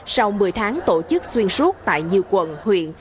sau một mươi tháng tổ chức xuyên suốt tại nhiều quận huyện